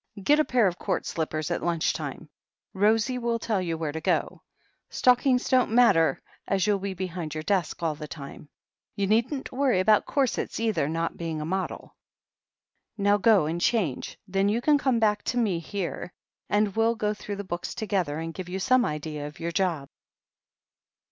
"Get a pair of court slippers at lunch time. Rosie will tell you where to go. Stockings don't matter, as you'll be behind your desk all the time. You needn't worry about corsets, either, not being a model. Now go and change, then you can come back to me here, and we'll go through the books together and give you some idea of your job."